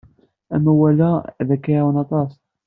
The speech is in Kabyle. Amawal-a ad k-iɛawen aṭas.